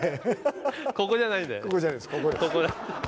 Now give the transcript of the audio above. ここじゃないんだよね。